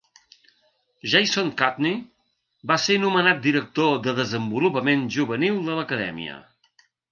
Jason Kutney va ser nomenat director de Desenvolupament Juvenil de l'acadèmia.